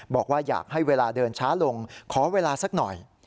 บอกว่าอยากให้เวลาเดินช้าลงขอเวลาสักหน่อย